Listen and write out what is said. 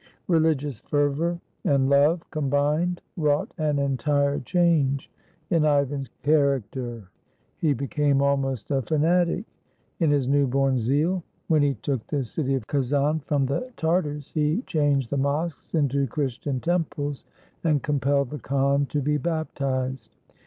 Religious fervor and love combined wrought an entire change in Ivan's character. He became almost a fa natic in his new born zeal : when he took the city of Kazan 46 IVAN THE TERRIBLE from the Tartars, he changed the mosques into Christian temples, and compelled the khan to be baptized.